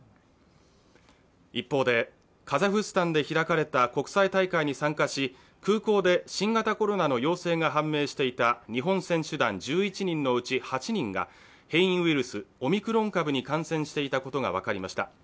一方で、カザフスタンで開かれた国際大会に参加し、空港で新型コロナの陽性が判明していた日本選手団１１人のうち８人が変異ウイルスオミクロン株に感染していたことが分かりました。